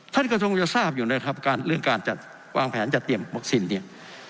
ท่านกระทงจะทราบอยู่ในเรื่องการวางแผนจัดเตรียมวัคซินเนี่ย